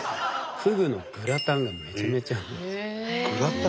ふぐのグラタンがめちゃめちゃうまい。